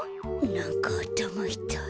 なんかあたまいたい。